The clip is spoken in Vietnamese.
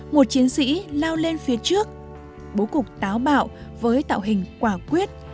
một chiến sĩ lao lên phía trước bố cục táo bạo với tạo hình quả quyết